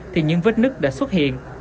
thì những vết nứt đã xuất hiện